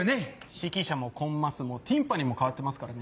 指揮者もコンマスもティンパニも変わってますからね。